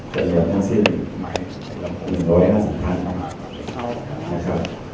เป็นอย่างทั้งสิ้นหมายถึงร้อยน่าสำคัญนะครับนะครับ